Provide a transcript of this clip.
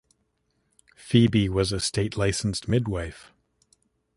Phoebe was a state-licensed midwife.